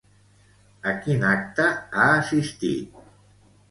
A quin acte ha assistit?